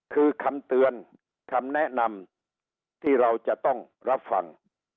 คือคำเตือนคำแนะนำที่เราจะต้องรับฟัง